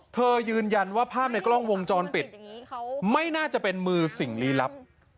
ยืนยันว่าภาพในกล้องวงจรปิดไม่น่าจะเป็นมือสิ่งลี้ลับ